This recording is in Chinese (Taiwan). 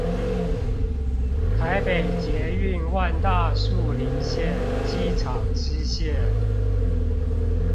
台北捷運萬大樹林線機廠支線